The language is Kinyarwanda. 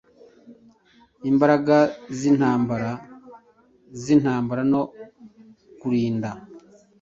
Imbaraga zintambara zintambara no kurinda